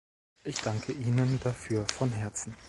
Ich danke Ihnen dafür von Herzen.